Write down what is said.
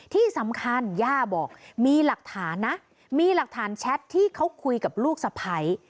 ที่สำคัญย่าบอกมีหลักฐานนะมีหลักฐานแชทที่เขาคุยกับลูกสะพ้าย